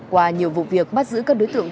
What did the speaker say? qua nhiều vụ việc bắt giữ các đối tượng